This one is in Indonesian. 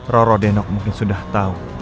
rorodenok mungkin sudah tahu